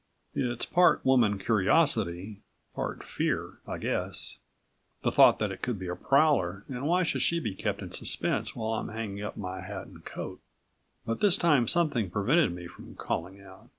It's part woman curiosity, part fear, I guess the thought that it could be a prowler and why should she be kept in suspense while I'm hanging up my hat and coat? But this time something prevented me from calling out.